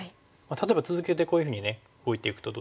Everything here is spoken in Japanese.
例えば続けてこういうふうに置いていくとどうですか？